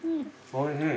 おいしい。